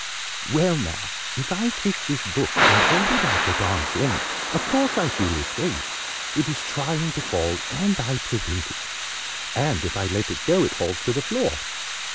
"Well, now, if I take this book, and hold it out at arm's length, of course I feel its weight. It is trying to fall, and I prevent it. And, if I let go, it fails to the floor.